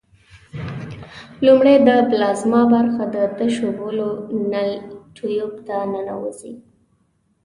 لومړی د پلازما برخه د تشو بولو نل ټیوب ته ننوزي.